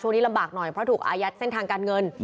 ลำบากหน่อยเพราะถูกอายัดเส้นทางการเงิน